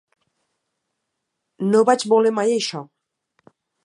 'No vaig voler mai això'.